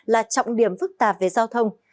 là trọng điểm phức tạp về giao thông